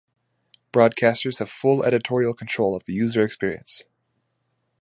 Broadcasters have full editorial control of the user experience.